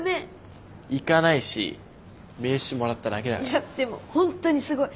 いやでも本当にすごい。